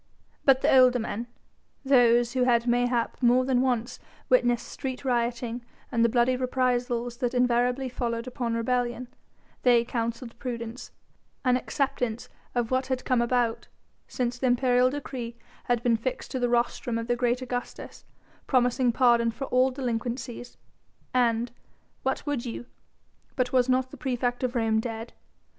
But the older men, those who had mayhap more than once witnessed street rioting and the bloody reprisals that invariably followed open rebellion they counselled prudence, an acceptance of what had come about, since the imperial decree had been fixed to the rostrum of the great Augustus, promising pardon for all delinquencies. And what would you? but was not the praefect of Rome dead?